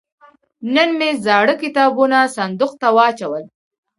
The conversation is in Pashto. نن مې زاړه کتابونه صندوق ته واچول.